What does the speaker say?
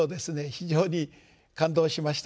非常に感動しました。